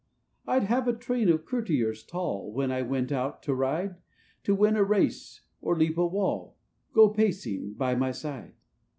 "I'd have a train of courtiers tall, When I went out to ride, To win a race, or leap a wall, — Go pacing by my side.